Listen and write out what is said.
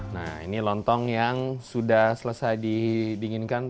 nah ini lontong yang sudah selesai didinginkan